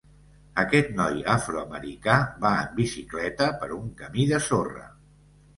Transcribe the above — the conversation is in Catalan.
Aquest noi afroamericà va en bicicleta per un camí de sorra.